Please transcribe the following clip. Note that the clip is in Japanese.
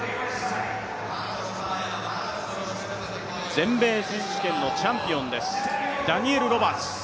全米選手権のチャンピオンです、ダニエル・ロバーツ。